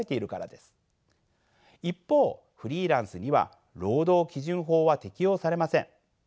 一方フリーランスには労働基準法は適用されません。